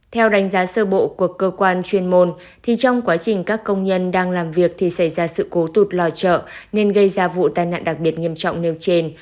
theo đánh giá sơ bộ của cơ quan chuyên môn thì trong quá trình các công nhân đang làm việc thì xảy ra sự cố tụt lòi chợ nên gây ra vụ tai nạn đặc biệt nghiêm trọng nêu trên